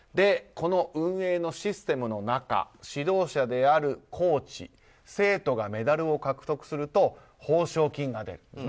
この運営のシステムの中指導者であるコーチは生徒がメダルを獲得すると報奨金が出ると。